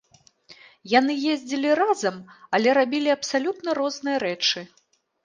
Яны ездзілі разам, але рабілі абсалютна розныя рэчы.